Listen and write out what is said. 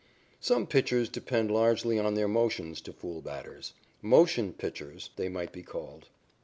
Some pitchers depend largely on their motions to fool batters. "Motion pitchers" they might be called.